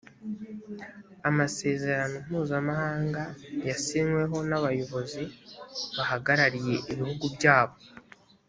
amasezerano mpuzamahanga yasinyweho nabayobozi bahagarariye ibihugu byabo